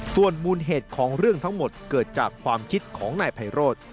ส่วนมูลเหตุของเรื่องทั้งหมดเกิดจากความคิดของนายไพโรธ